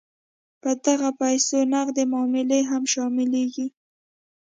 په دغه پیسو کې نغدې معاملې هم شاملیږي.